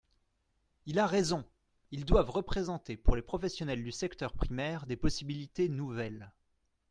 Il a raison ! Ils doivent représenter pour les professionnels du secteur primaire des possibilités nouvelles.